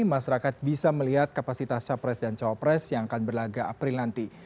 masyarakat bisa melihat kapasitas capres dan cawapres yang akan berlaga april nanti